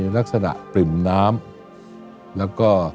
ลักษณะปริ่มน้ำแล้วก็